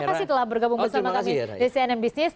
terima kasih telah bergabung bersama kami di cnn business